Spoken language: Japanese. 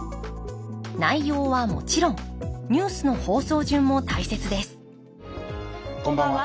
内容はもちろんニュースの放送順も大切ですこんばんは。